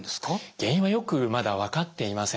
原因はよくまだ分かっていません。